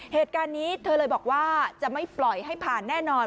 เหตุการณ์นี้เธอเลยบอกว่าจะไม่ปล่อยให้ผ่านแน่นอน